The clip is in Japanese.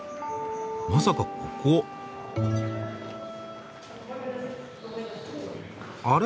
まさかここ。あれ？